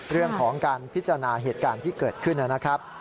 เรื่องของการพิจารณาเหตุการณ์ที่เกิดขึ้นนะครับ